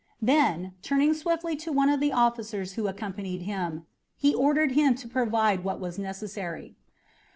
Then, turning swiftly to one of the officers who accompanied him, he ordered him to provide what was necessary.